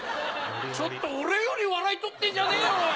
ちょっと俺より笑い取ってんじゃねえよおい。